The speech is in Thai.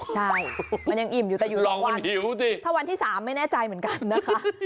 ใช่มันยังอิ่มอยู่แต่อยู่๒วันหิวสิถ้าวันที่๓ไม่แน่ใจเหมือนกันนะคะ